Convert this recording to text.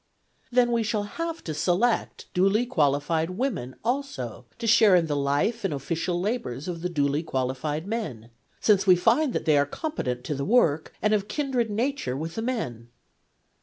1 Then we shall have to select duly qualified women also to share in the life and official labours of the duly qualified men ; since we find that they are competent to the work, and of kindred nature with the men.'